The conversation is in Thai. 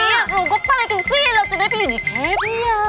อยากรู้ก็ไปกันสิเราจะได้ไปดูอีกแค่นี้